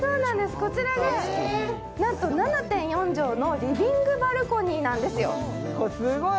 こちらがなんと７．４畳のリビングバルコニーなんですよ。